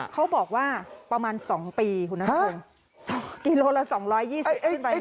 เขาบอกว่าประมาณ๒ปีคุณนัทพงศ์กิโลละ๒๒๐ขึ้นไป